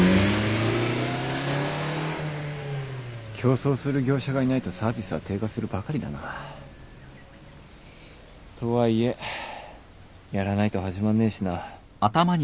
競争する業者がいないとサービスは低下するばかりだな。とはいえやらないと始まんねえしな。